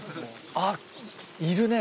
あっいるね。